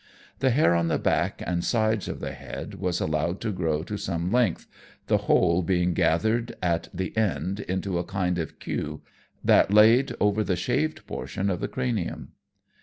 The hair on the back and sides of the head was allowed to grow to some length, the whole being gathered at the end into a kind of queue, that laid over the shaved portion of the cranium.